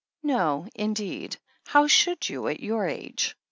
"No, indeed — ^how should you at your age?